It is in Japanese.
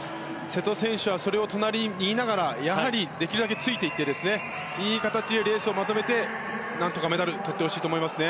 瀬戸選手はそれを隣に見ながらできるだけついていっていい形でレースをまとめて何とかメダルをとってほしいと思います。